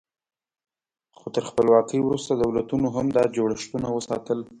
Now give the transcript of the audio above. خو تر خپلواکۍ وروسته دولتونو هم دا جوړښتونه وساتل.